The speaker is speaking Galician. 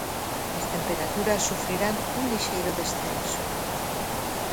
As temperaturas sufrirán un lixeiro descenso.